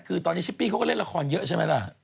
คือตอนนี้ชิปปี้เขาก็เล่นละครเยอะใช่ไหมล่ะ